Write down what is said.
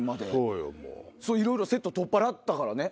いろいろセット取っ払ったからね。